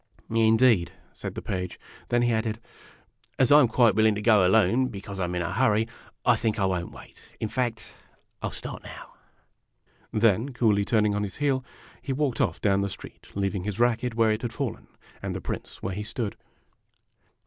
" Indeed !" said the Page. Then he added, "As I 'm quite willing to go alone, because I 'm in a hurry, I think I won't wait. In fact, I '11 start now." Then, coolly turning on his heel, he walked off down the street, leaving his racket where it had fallen, and the Prince where he stood.